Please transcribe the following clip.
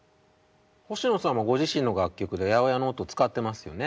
星野さんもご自身の楽曲で８０８の音使ってますよね。